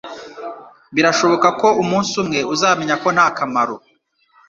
Birashoboka ko umunsi umwe uzamenya ko nta kamaro